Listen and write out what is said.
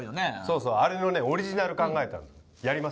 そうあれのオリジナル考えたのやります？